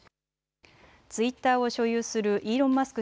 ツイッターを所有するイーロン・マスク